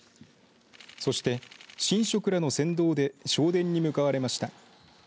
そして、神職らの先導で正殿に向かわれました。